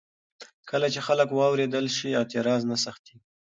کله چې خلک واورېدل شي، اعتراض نه سختېږي.